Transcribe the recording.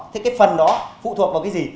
thế cái phần đó phụ thuộc vào cái gì